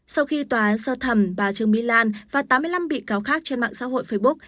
sau khi tòa án sơ thẩm bà trương mỹ lan và tám mươi năm bị cáo khác trên mạng xã hội facebook